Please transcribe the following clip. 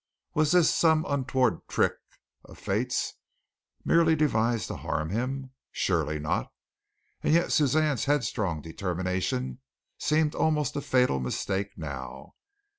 Was this some untoward trick of fate's, merely devised to harm him? Surely not. And yet Suzanne's headstrong determination seemed almost a fatal mistake now.